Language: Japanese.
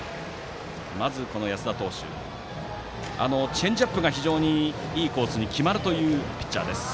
安田投手はチェンジアップが非常にいいコースに決まるというピッチャーです。